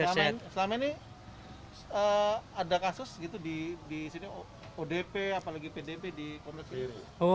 selama ini ada kasus di sini odp apalagi pdp di konteks